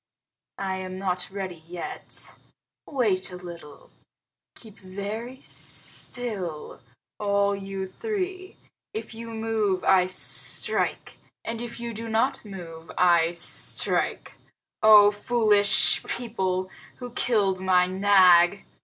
I am not ready yet. Wait a little. Keep very still, all you three! If you move I strike, and if you do not move I strike. Oh, foolish people, who killed my Nag!"